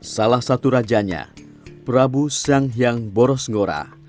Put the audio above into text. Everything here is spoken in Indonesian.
salah satu rajanya prabu sang hyang borosngora